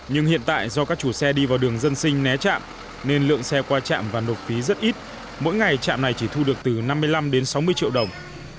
nhưng hiện tại do các chủ xe đi vào đường dân sinh né trạm nên lượng xe qua trạm và nộp phí rất ít mỗi ngày trạm này chỉ thu được từ năm mươi năm sáu mươi triệu đồng